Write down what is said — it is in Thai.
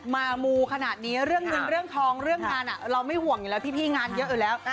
มูขนาดนี้เรื่องเงินเรื่องทองเรื่องงานเราไม่ห่วงอยู่แล้วพี่งานเยอะอยู่แล้ว